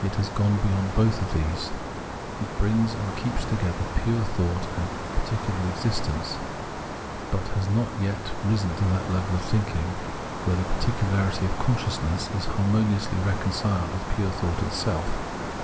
It has gone beyond both of these ; it brings and keeps together pure thought and particular existence, but has not yet risen to that level of thinking where the particularity of consciousness is harmoniously reconciled with pure thought itself.